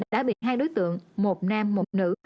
đã bị hai đối tượng một nam một nữ